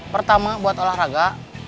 pertama buat olahraga